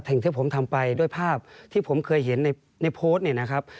สิ่งที่ผมทำไปด้วยภาพที่ผมเคยเห็นในโพสต์เนี่ยนะครับ